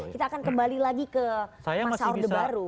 kita akan kembali lagi ke masa orde baru